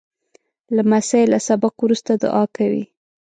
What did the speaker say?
لمسی له سبق وروسته دعا کوي.